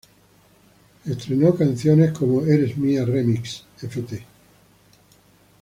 Estrenó canciones como "Eres Mía Remix" ft.